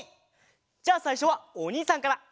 じゃあさいしょはおにいさんから！